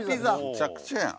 むちゃくちゃやん。